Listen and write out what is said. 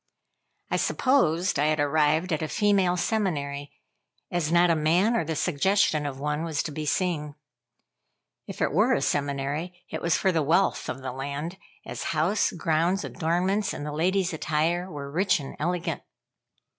I supposed I had arrived at a female seminary, as not a man, or the suggestion of one, was to be seen. If it were a seminary, it was for the wealth of the land, as house, grounds, adornments, and the ladies' attire were rich and elegant.